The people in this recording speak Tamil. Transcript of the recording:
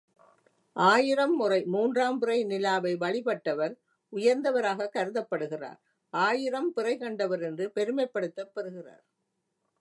ஆயிரம் முறை மூன்றாம் பிறை நிலாவை வழிபட்டவர் உயர்ந்தவராகக் கருதப்படுகிறார் ஆயிரம் பிறை கண்டவர் என்று பெருமைப்படுத்தப் பெறுகிறார்.